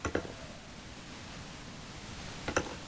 Está clasificado Monumento histórico.